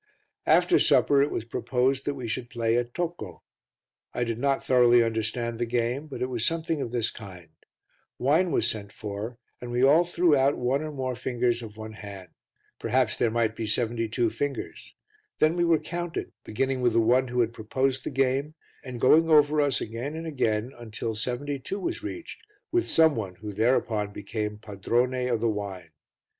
After supper it was proposed that we should play at Tocco. I did not thoroughly understand the game, but it was something of this kind: Wine was sent for and we all threw out one or more fingers of one hand, perhaps there might be seventy two fingers; then we were counted, beginning with the one who had proposed the game and going over us again and again until seventy two was reached with some one who thereupon became padrone of the wine.